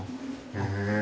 へえ。